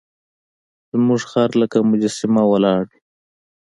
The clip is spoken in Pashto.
زموږ خر لکه مجسمه ولاړ وي.